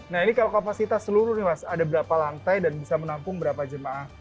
nah ini kalau kapasitas seluruh nih mas ada berapa lantai dan bisa menampung berapa jemaah